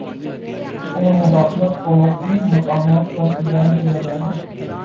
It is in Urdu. اور مداخلت کو مختلف مقامات پر بیان کیا گیا ہے